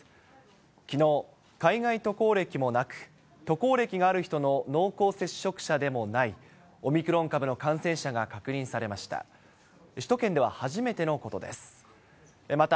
きのう、海外渡航歴もなく、渡航歴がある人の濃厚接触者でもない、オミクロン株の感染者が確認されました。